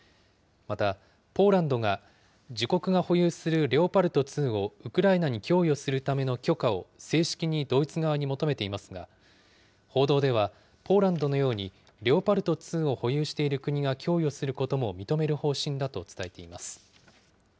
また、ポーランドが、自国が保有するレオパルト２をウクライナに供与するための許可を正式にドイツ側に求めていますが、報道では、ポーランドのようにレオパルト２を保有している国が供与することも認める方針だと伝えています。